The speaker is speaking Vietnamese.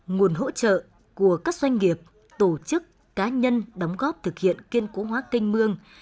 nguồn hỗ trợ của các doanh nghiệp tổ chức cá nhân đóng góp thực hiện kiên cố hóa kênh mương